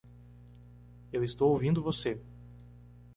Eu estou ouvindo você!